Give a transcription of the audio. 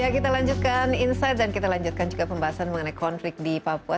ya kita lanjutkan insight dan kita lanjutkan juga pembahasan mengenai konflik di papua